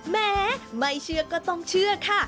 แม้ไม่เชื่อก็ต้องเชื่อค่ะ